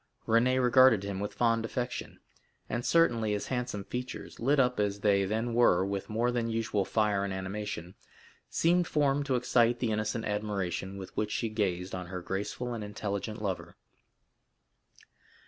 Renée regarded him with fond affection; and certainly his handsome features, lit up as they then were with more than usual fire and animation, seemed formed to excite the innocent admiration with which she gazed on her graceful and intelligent lover.